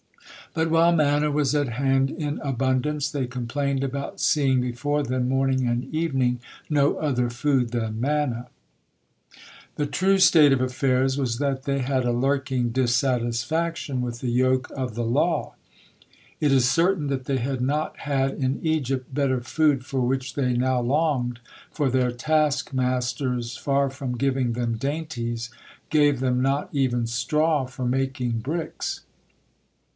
But while manna was at hand in abundance, they complained about seeing before them, morning and evening, no other food than manna. The true state of affairs was that they had a lurking dissatisfaction with the yoke of the law. It is certain that they had not had in Egypt better food for which they now longed, for their taskmasters, far from giving them dainties, gave them not even straw for making bricks.